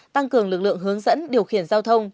tăng cường lực lượng hướng dẫn điều khiển giao thông